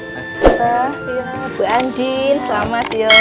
pak bu andin selamat ya